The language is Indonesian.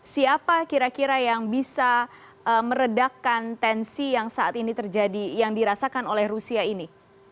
siapa kira kira yang bisa meredakan tensi yang saat ini terjadi yang dirasakan oleh rusia ini